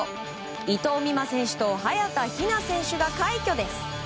伊藤美誠選手と早田ひな選手が快挙です。